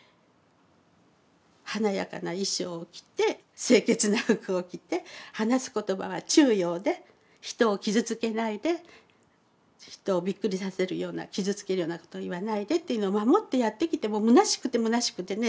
華やかな衣装を着て清潔な服を着て話す言葉は中庸で人を傷つけないで人をびっくりさせるような傷つけるようなことを言わないでというのを守ってやってきてもむなしくてむなしくてね